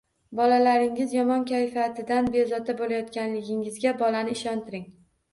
Bolangizning yomon kayfiyatidan bezovta bo‘layotganligingizga bolani ishontiring.